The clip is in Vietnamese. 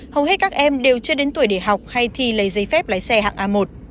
hầu hết các em đều chưa đến tuổi để học hay thi lấy giấy phép lái xe hạng a một